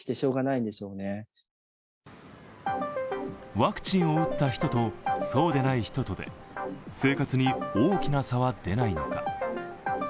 ワクチンを打った人とそうでない人とで生活に大きな差は出ないのか。